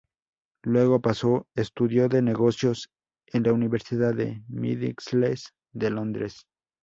Luego pasó estudió de negocios en la Universidad de Middlesex de Londres.